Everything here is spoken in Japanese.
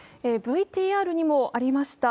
ＶＴＲにもありました